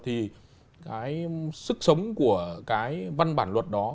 thì cái sức sống của cái văn bản luật đó